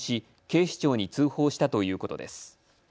警視庁に通報したということです。